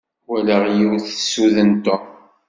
Walaɣ yiwet tessuden Tom.